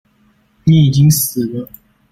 你已經死了